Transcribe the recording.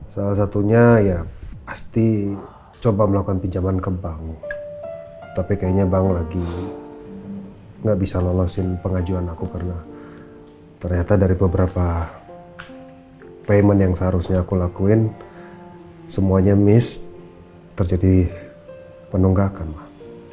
salah satunya ya pasti coba melakukan pinjaman ke bank tapi kayaknya bank lagi gak bisa lolosin pengajuan aku karena ternyata dari beberapa payment yang seharusnya aku lakuin semuanya miss terjadi penunggakan mah